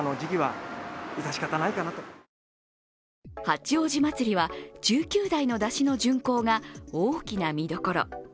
八王子まつりは１９台の山車の巡行が大きな見どころ。